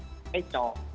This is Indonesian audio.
kadang kadang kita terlalu